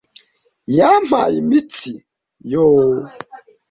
Yampaye imitsi. Yoo